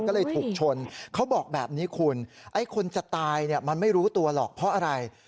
ก็เลยถูกชนเขาบอกแบบนี้คุณไอ้คนจะตายเนี่ยมันไม่รู้ตัวหรอกเพราะอะไร